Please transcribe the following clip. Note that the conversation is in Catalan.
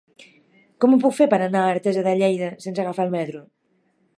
Com ho puc fer per anar a Artesa de Lleida sense agafar el metro?